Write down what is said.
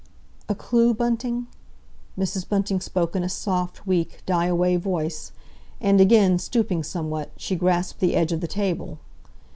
"A clue, Bunting?" Mrs. Bunting spoke in a soft, weak, die away voice, and again, stooping somewhat, she grasped the edge of the table.